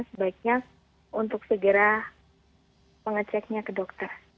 sebaiknya untuk segera mengeceknya ke dokter